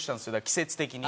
季節的に。